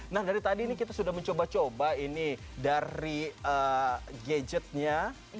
nah dari tadi ini kita sudah mencoba coba ini dari gadgetnya